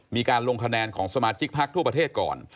มีการลงคะแนนของสมาชิกพักทั่วประเทศก่อน